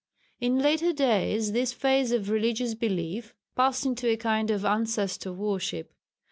In later days this phase of religious belief passed into a kind of ancestor worship.